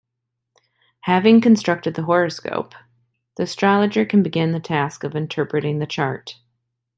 Having constructed the horoscope, the astrologer can begin the task of interpreting the chart.